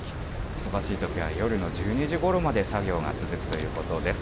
忙しいときは夜の１２時ごろまで作業が続くということです。